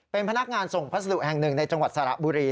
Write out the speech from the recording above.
เป็นพนักงานส่งพัสดุแห่งหนึ่งในจังหวัดสระบุรี